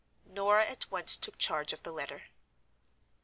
Norah at once took charge of the letter.